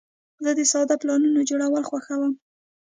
زه د ساده پلانونو جوړول خوښوم.